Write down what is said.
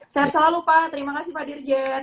sehat selalu pak terima kasih pak dirjen